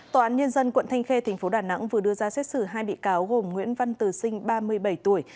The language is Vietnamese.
tòa án nhân dân quận thanh khê tp đà nẵng vừa đưa ra xét xử hai bị cáo gồm nguyễn văn từ sinh ba mươi bảy tuổi